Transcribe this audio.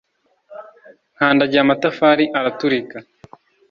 nkandagiye amatafari araturika